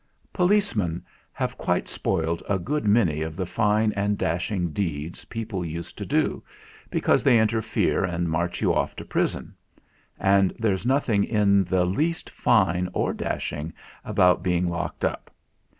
Policemen have quite spoiled a good many of the fine and dashing deeds people used to do, because they interfere and march you off THE MEETING 83 to prison ; and there's nothing in the least fine or dashing about being locked up.